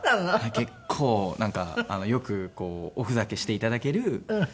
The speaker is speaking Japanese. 結構なんかよくおふざけしていただける。